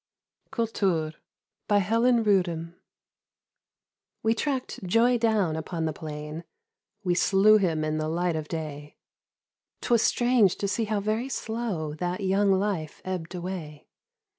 92 HELEN ROOTHAM. KULTUR. WE tracked Joy down upon the plain We slew him in the light of day, 'Twas strange to see how very slow That young life ebbed away.